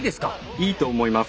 いいと思います。